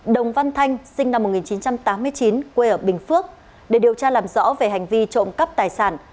đồng văn thanh sinh năm một nghìn chín trăm tám mươi chín quê ở bình phước để điều tra làm rõ về hành vi trộm cắp tài sản